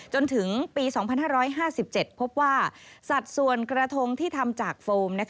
จนถึงปี๒๕๕๗พบว่าสัดส่วนกระทงที่ทำจากโฟม